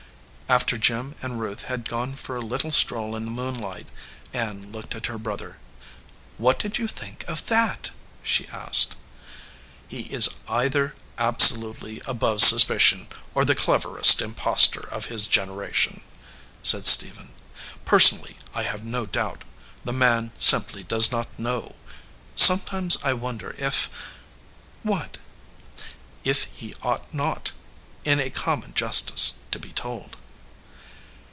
After Jim and Ruth had gone for a little stroll in the moonlight, Ann looked at her brother. "What d id you think of that?" she asked. "He is either absolutely above suspicion or the cleverest impostor of his generation," said Stephen. "Personally I have no doubt. The man simply does not know. Sometimes I wonder if " "What?" 274 RING WITH THE GREEN STONE "If he ought not, in common justice, to be told."